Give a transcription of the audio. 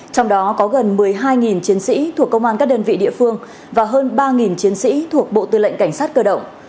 trong đó có gần một mươi hai chiến sĩ thuộc công an các đơn vị địa phương và hơn ba chiến sĩ thuộc bộ tư lệnh cảnh sát cơ động